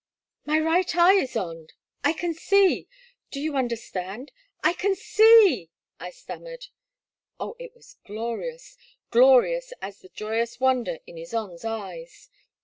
My right eye — Ysonde — I can see !— Do you understand ? I can see I '* I stammered. Oh, it was glorious — glorious as the joyous wonder in Ysonde' s eyes